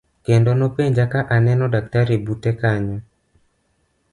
Kendo nopenja ka aneno daktari bute kanyo.